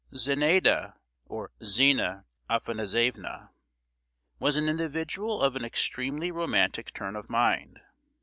Zenaida, or Zina Afanassievna, was an individual of an extremely romantic turn of mind.